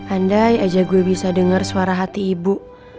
andai aja gue bisa dengar suara hati ibu